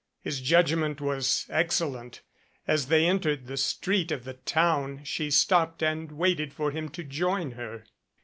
His judgment was excellent. As they entered the street of the town she stopped and waited for him to join her.